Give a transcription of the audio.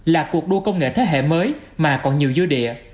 là cuộc đua công nghệ thế hệ mới mà còn nhiều dư địa